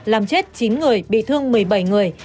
làm chết chín người bị thương một mươi bảy người